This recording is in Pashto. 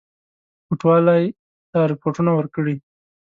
کوټوالی ته رپوټونه ورکړي.